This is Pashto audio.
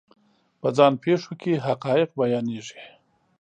په ځان پېښو کې حقایق بیانېږي.